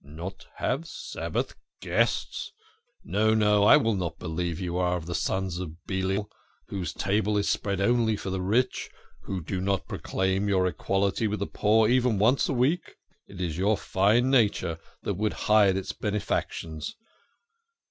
" Not have Sabbath guests ! No, no, I will not believe you are of the sons of Belial, whose table is spread only for the rich, who do not proclaim your equality with the poor even once a week. It is your fine nature that would hide its benefactions.